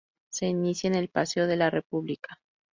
Se inicia en el Paseo de la República.